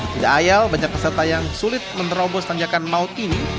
tidak ayal banyak peserta yang sulit menerobos tanjakan maut ini